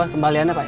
oh kembaliannya pak